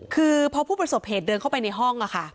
คือพอผู้ประสบเหตุเดินเข้าไปในห้อง